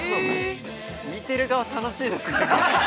見てる側、楽しいですね。